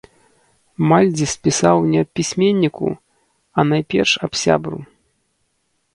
Мальдзіс пісаў не аб пісьменніку, а найперш аб сябру.